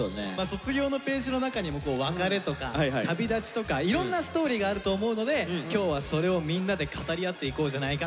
卒業のページの中にも別れとか旅立ちとかいろんなストーリーがあると思うので今日はそれをみんなで語り合っていこうじゃないかという。